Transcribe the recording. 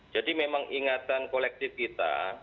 jadi memang ingatan kolektif kita